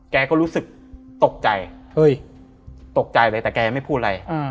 แกก็รู้สึกตกใจเฮ้ยตกใจเลยแต่แกไม่พูดอะไร